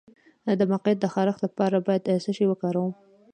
د مقعد د خارښ لپاره باید څه شی وکاروم؟